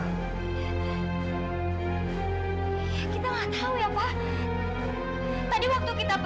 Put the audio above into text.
kita gak tau ya pa